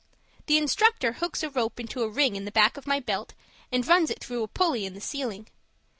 The instructor hooks a rope into a ring in the back of my belt, and runs it through a pulley in the ceiling.